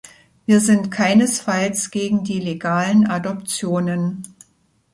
Wir sind keinesfalls gegen die legalen Adoptionen.